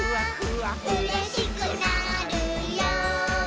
「うれしくなるよ」